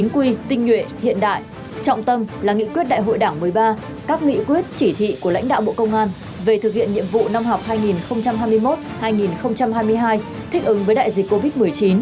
quy tinh nhuệ hiện đại trọng tâm là nghị quyết đại hội đảng một mươi ba các nghị quyết chỉ thị của lãnh đạo bộ công an về thực hiện nhiệm vụ năm học hai nghìn hai mươi một hai nghìn hai mươi hai thích ứng với đại dịch covid một mươi chín